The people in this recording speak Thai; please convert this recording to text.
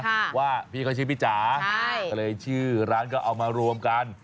ว่าพี่เขาชื่อพี่จ๋าใช่ก็เลยชื่อร้านก็เอามารวมกัน